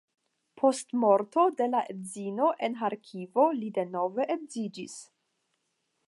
Post morto de la edzino en Ĥarkivo li denove edziĝis.